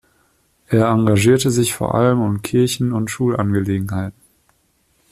Er engagierte sich vor allem um Kirchen- und Schulangelegenheiten.